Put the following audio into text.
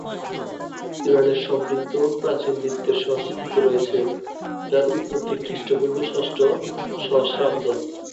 ইরানের সমৃদ্ধ ও প্রাচীন নৃত্যের সংস্কৃতি রয়েছে, যার উৎপত্তি খ্রিস্টপূর্ব ষষ্ঠ সহস্রাব্দ।